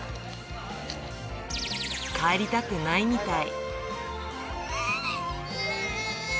帰りたくないみたい。